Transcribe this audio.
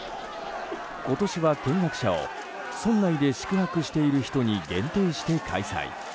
今年は、見学者を村内で宿泊している人に限定して開催。